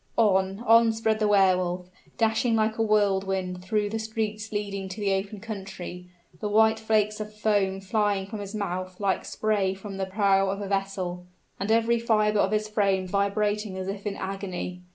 On on sped the Wehr Wolf, dashing like a whirlwind through the streets leading to the open country, the white flakes of foam flying from his mouth like spray from the prow of a vessel, and every fiber of his frame vibrating as if in agony.